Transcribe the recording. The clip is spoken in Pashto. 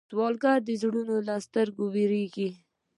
سوالګر د زړونو له ستړیا ویریږي